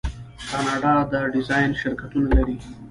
کاناډا د ډیزاین شرکتونه لري.